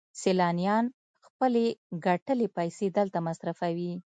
سیلانیان خپلې ګټلې پیسې دلته مصرفوي